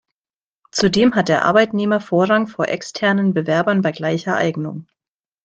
Zudem hat der Arbeitnehmer Vorrang vor externen Bewerbern bei gleicher Eignung.